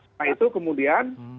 setelah itu kemudian